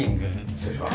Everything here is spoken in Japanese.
失礼します。